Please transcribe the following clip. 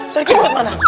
sergi lu lewat mana